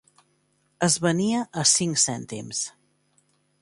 Es venia a cinc cèntims.